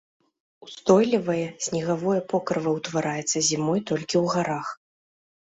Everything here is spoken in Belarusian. Устойлівае снегавое покрыва ўтвараецца зімой толькі ў гарах.